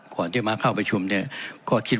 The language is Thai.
ก่อนที่มาเข้าประชุมเนี่ย